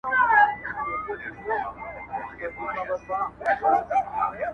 گلابي شونډي يې د بې په نوم رپيږي,